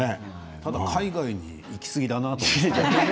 ただ海外に行きすぎだなと思った。